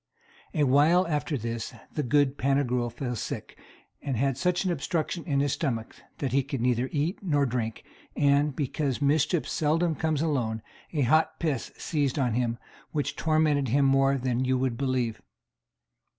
A while after this the good Pantagruel fell sick, and had such an obstruction in his stomach that he could neither eat nor drink; and, because mischief seldom comes alone, a hot piss seized on him, which tormented him more than you would believe.